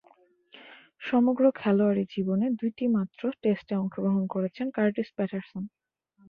সমগ্র খেলোয়াড়ী জীবনে দুইটিমাত্র টেস্টে অংশগ্রহণ করেছেন কার্টিস প্যাটারসন।